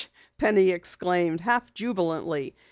Penny exclaimed, half jubilantly.